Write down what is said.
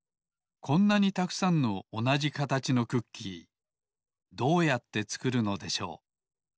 こんなにたくさんのおなじかたちのクッキーどうやってつくるのでしょう。